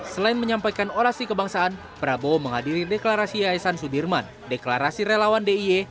selain menyampaikan orasi kebangsaan prabowo menghadiri deklarasi aesan sudirman deklarasi relawan dia